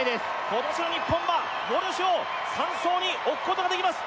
今年の日本はウォルシュを３走に置くことができます